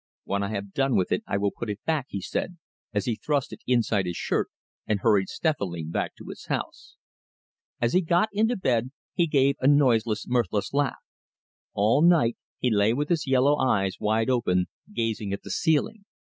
"When I have done with it I will put it back," he said, as he thrust it inside his shirt, and hurried stealthily back to his house. As he got into bed he gave a noiseless, mirthless laugh. All night he lay with his yellow eyes wide open, gazing at the ceiling.